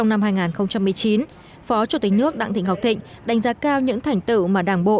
năm hai nghìn một mươi chín phó chủ tịch nước đặng thị ngọc thịnh đánh giá cao những thành tựu mà đảng bộ